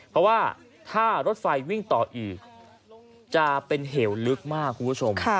เพราะว่าถ้ารถไฟวิ่งต่ออีกจะเป็นเหวลึกมากคุณผู้ชม